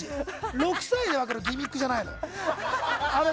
６歳で分かるギミックじゃないの。